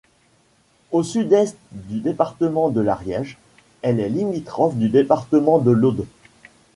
Au sud-est du département de l'Ariège, elle est limitrophe du département de l'Aude.